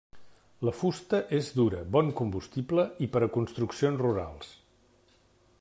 La fusta és dura, bon combustible i per a construccions rurals.